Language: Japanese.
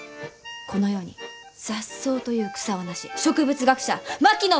この世に雑草という草はなし植物学者槙野